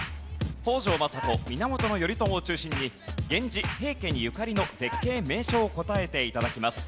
北条政子源頼朝を中心に源氏平家にゆかりの絶景名所を答えて頂きます。